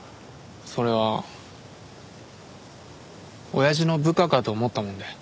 それは親父の部下かと思ったもんで。